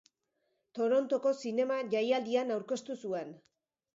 Torontoko Zinema Jaialdian aurkeztu zuen.